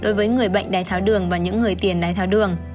đối với người bệnh đài tháo đường và những người tiền đài tháo đường